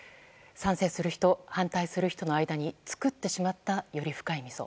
賛成する人、反対する人の間に作ってしまった、より深い溝。